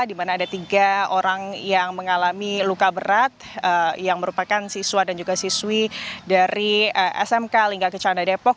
di mana ada tiga orang yang mengalami luka berat yang merupakan siswa dan juga siswi dari smk lingga kecanda depok